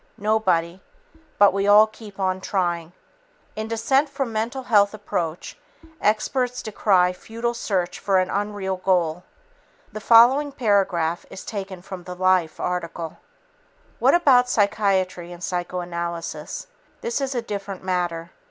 Nobody, But We All Keep On Trying. In Dissent From 'Mental Health' Approach, Experts Decry Futile Search For An Unreal Goal." The following paragraph is taken from the Life article: "What about psychiatry and psychoanalysis? This is a different matter.